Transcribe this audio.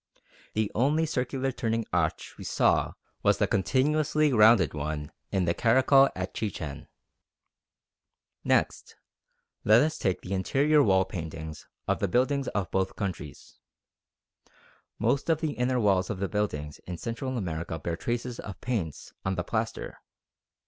The only circular turning arch we saw was the continuously rounded one in the Caracol at Chichen. [Illustration: DIAGRAM OF MAYAN ARCH.] Next, let us take the interior wall paintings of the buildings of both countries. Most of the inner walls of the buildings in Central America bear traces of paints on the plaster.